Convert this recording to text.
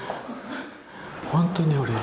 本当に俺？